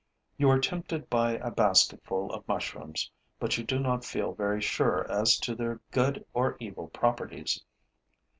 You are tempted by a basketful of mushrooms, but you do not feel very sure as to their good or evil properties.